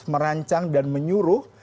merancang dan menyuruh